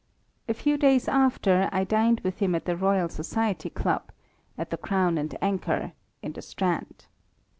A few days after I dined with him at the Royal Society Club, at the Crown and Anchor, in the Strand.